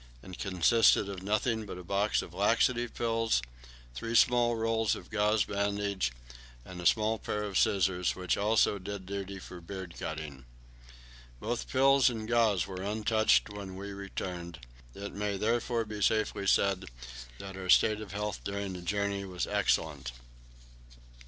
It consisted of nothing but a box of laxative pills, three small rolls of gauze bandage, and a small pair of scissors, which also did duty for beard cutting. Both pills and gauze were untouched when we returned; it may therefore be safely said that our state of health during the journey was excellent.